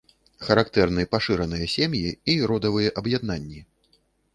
Характэрны пашыраныя сем'і і родавыя аб'яднанні.